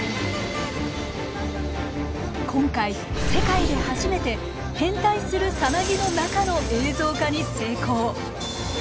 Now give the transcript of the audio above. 今回世界で初めて変態するさなぎの中の映像化に成功。